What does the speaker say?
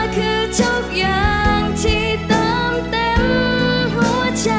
ขอบคุณค่ะ